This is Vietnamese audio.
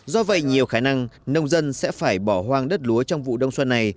do vậy nhiều khả năng nông dân sẽ phải bỏ hoang đất lúa trong vụ đông xuân này